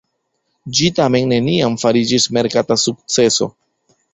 Ĝi tamen neniam fariĝis merkata sukceso.